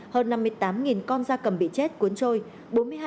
hơn năm mươi tám con da cầm bị chết cuốn trôi